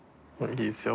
いいですよ